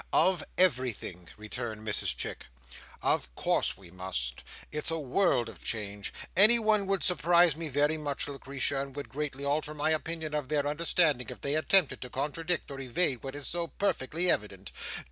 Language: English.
"Of everything," returned Mrs Chick. "Of course we must. It's a world of change. Anyone would surprise me very much, Lucretia, and would greatly alter my opinion of their understanding, if they attempted to contradict or evade what is so perfectly evident.